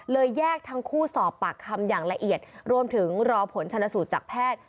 แยกทั้งคู่สอบปากคำอย่างละเอียดรวมถึงรอผลชนสูตรจากแพทย์